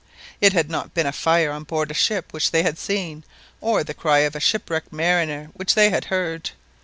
It had not been a fire on board ship which they had seen, or the cry of a shipwrecked mariner which they had heard.